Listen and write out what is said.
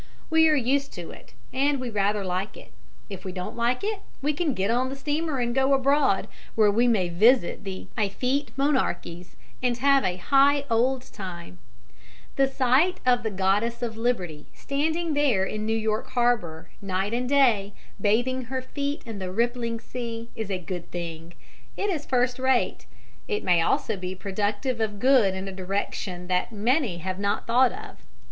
We are used to it, and we rather like it. If we don't like it, we can get on the steamer and go abroad, where we may visit the effete monarchies and have a high old time. [Illustration: MAY BE LED TO TRY IT ON HIMSELF.] The sight of the Goddess of Liberty standing there in New York harbor night and day, bathing her feet in the rippling sea, is a good thing. It is first rate. It may also be productive of good in a direction that many have not thought of.